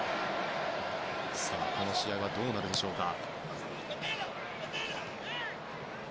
この試合はどうなるでしょうか。